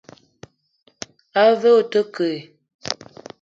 A ve o te ke ?